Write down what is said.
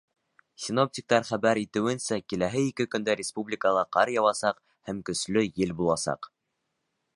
Синоптиктар хәбәр итеүенсә, киләһе ике көндә республикала ҡар яуасаҡ һәм көслө ел буласаҡ.